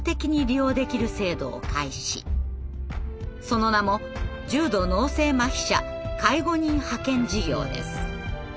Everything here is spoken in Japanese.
その名も「重度脳性麻痺者介護人派遣事業」です。